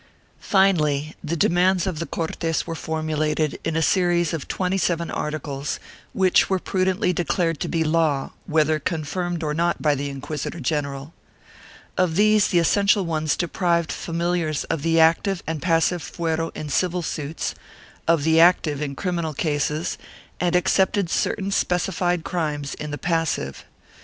1 Finally the demands of the Cortes were formulated in a series of twenty seven articles, which were prudently declared to be law, whether confirmed or not by the inquisitor general. Of these the essential ones deprived familiars of the active and passive fuero in civil suits, of the active in criminal cases, and excepted certain specified crimes in the passive.